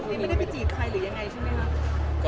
นี่ไม่ได้ไปจีบใครหรือยังไงใช่ไหมคะ